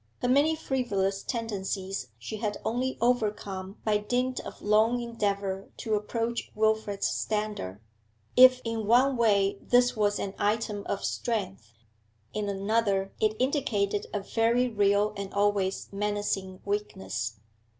Her many frivolous tendencies she had only overcome by dint of long endeavour to approach Wilfrid's standard. If in one way this was an item of strength, in another it indicated a very real and always menacing weakness.